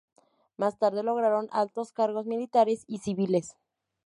Más tarde lograron altos cargos militares y civiles.